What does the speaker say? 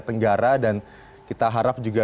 tenggara dan kita harap juga